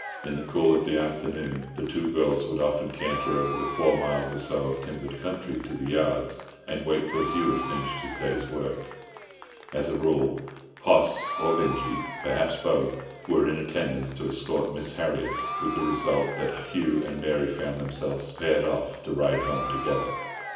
In the cool of the afternoon the two girls would often canter over the four miles or so of timbered country to the yards, and wait till Hugh had finished his day's work. As a rule, Poss or Binjie, perhaps both, were in attendance to escort Miss Harriott, with the result that Hugh and Mary found themselves paired off to ride home together.